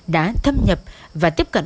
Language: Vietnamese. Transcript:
đã thâm nhập và tiếp cận